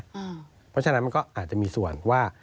เพราะฉะนั้นมันก็อาจจะมีส่วนว่า